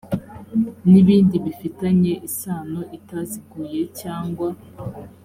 n ibindi bifitanye isano itaziguye cyangwa